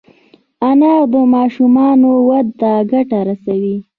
انار د ماشومانو وده ته ګټه رسوي.